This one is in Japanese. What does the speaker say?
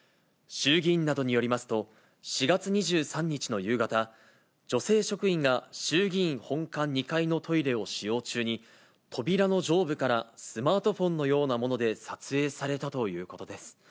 衆議院などによりますと、４月２３日の夕方、女性職員が衆議院本館２階のトイレを使用中に、扉の上部からスマートフォンのようなもので撮影されたということです。